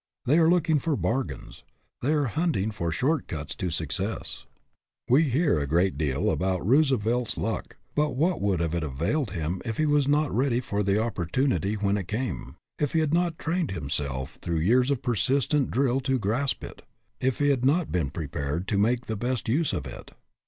They are looking for bargains. They are hunting for short cuts to success. WHAT HAS LUCK DONE? 221 We hear a great deal about "Roosevelt's luck "; but what would it have availed him if he was not ready for the opportunity when it came if he had not trained himself through years of persistent drill to grasp it if he had not been prepared to make the best use of it?